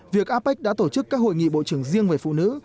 việc apec đã tổ chức các hội nghị bộ trưởng riêng về phụ nữ